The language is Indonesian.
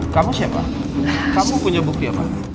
kamu siapa kamu punya bukti apa